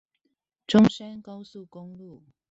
中山高速公路